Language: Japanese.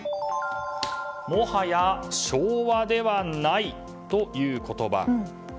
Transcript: もはや昭和ではないという言葉。